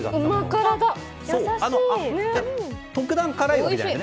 優しい。特段辛いわけじゃない。